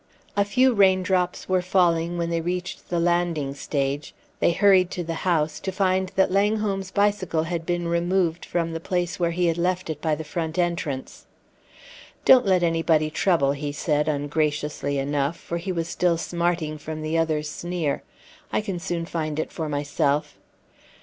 A few raindrops were falling when they reached the landing stage; they hurried to the house, to find that Langholm's bicycle had been removed from the place where he had left it by the front entrance. "Don't let anybody trouble," he said, ungraciously enough, for he was still smarting from the other's sneer. "I can soon find it for myself."